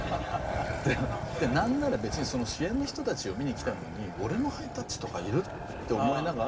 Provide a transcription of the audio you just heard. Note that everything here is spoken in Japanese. で何なら別にその主演の人たちを見に来てんのに俺のハイタッチとかいる？って思いながら。